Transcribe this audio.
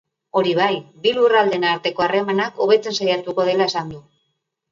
Hori bai, bi lurraldeen arteko harremanak hobetzen saiatuko dela esan du.